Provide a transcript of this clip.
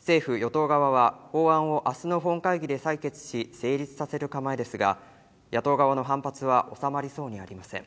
政府・与党側は法案をあすの本会議で採決し、成立させる構えですが、野党側の反発は収まりそうにありません。